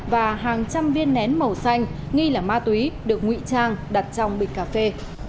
và hàng trăm viên nén màu xanh nghi là ma túy được ngụy trang đặt trong bịch cà phê